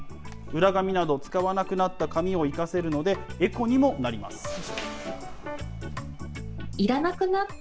裏紙など、使わなくなった紙を生かせるので、エコにもなります。